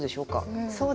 そうですね。